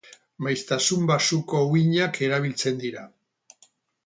Maiztasun baxuko uhinak erabiltzen dira.